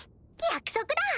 約束だ！